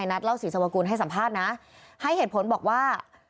นัดเล่าศรีสวกุลให้สัมภาษณ์นะให้เหตุผลบอกว่า